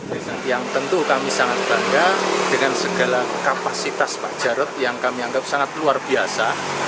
dengan yang tentu kami sangat bangga dengan segala kapasitas pak jarod yang kami anggap sangat luar biasa